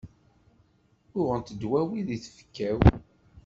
Uɣent ddwawi deg tfekka-w.